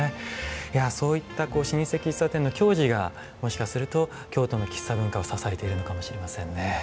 いやそういった老舗喫茶店の矜持がもしかすると京都の喫茶文化を支えているのかもしれませんね。